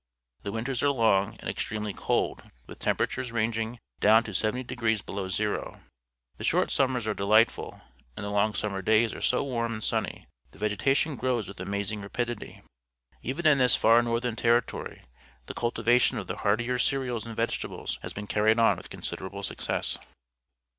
The winters are long and extremely cold, with temperatures, ranging down to 70° below zero. The short summers are delightful, and the long summer days are so warm and sunny that vegetation grows with amazing rapidity. Even in this far northern territory the cultivation of the hardier cereals and vegetables has been carried on with considerable success.